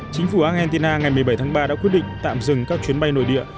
chính phủ argentina ngày một mươi bảy tháng ba đã quyết định tạm dừng các chuyến bay nội địa